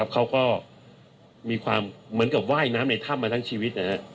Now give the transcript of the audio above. เขาก็มีความเหมือนกับว่ายน้ำในถ้ำมาทั้งชีวิต